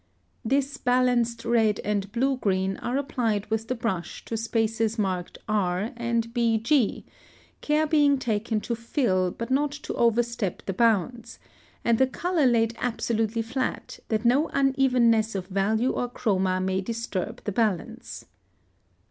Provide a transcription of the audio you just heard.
This balanced red and blue green are applied with the brush to spaces marked R and BG, care being taken to fill, but not to overstep the bounds, and the color laid absolutely flat, that no unevenness of value or chroma may disturb the balance.